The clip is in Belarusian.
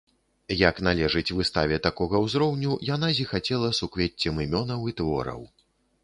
Як належыць выставе такога ўзроўню, яна зіхацела суквеццем імёнаў і твораў.